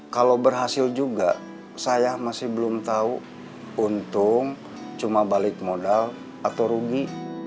kalau berhasil juga saya masih belum tahu untung cuma balik modal atau rugi